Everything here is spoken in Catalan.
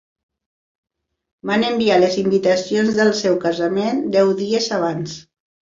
Van enviar les invitacions del seu casament deu dies abans.